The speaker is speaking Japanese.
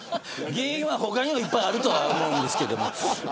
原因は他にもいっぱいあるとは思うんですけど。